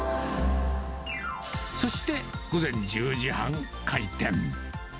そして午前１０時半、開店。